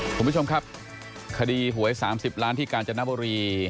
คุณผู้ชมครับคดีหวยสามสิบล้านที่การจัดหน้าบรี